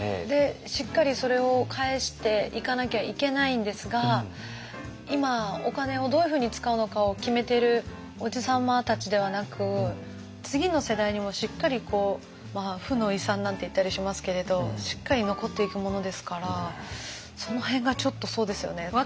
でしっかりそれを返していかなきゃいけないんですが今お金をどういうふうに使うのかを決めてるおじ様たちではなく次の世代にしっかりまあ負の遺産なんて言ったりしますけれどしっかり残っていくものですからその辺がちょっとそうですよね